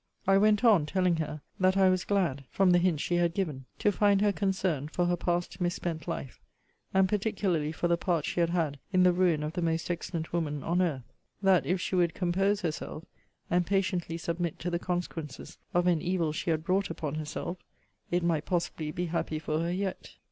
I went on, telling her, that I was glad, from the hints she had given, to find her concerned for her past misspent life, and particularly for the part she had had in the ruin of the most excellent woman on earth: that if she would compose herself, and patiently submit to the consequences of an evil she had brought upon herself, it might possibly be happy for her yet.